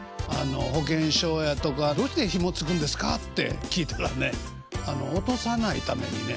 「保険証やとかどうしてひもつくんですか？」って聞いたらね落とさないためにね